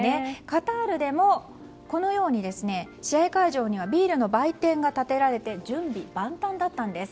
カタールでも試合会場にはビールの売店が立てられて準備万端だったんです。